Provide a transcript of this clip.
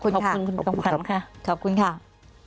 ขอบคุณครับ